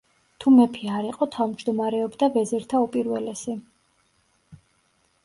თუ მეფე არ იყო, თავმჯდომარეობდა „ვეზირთა უპირველესი“.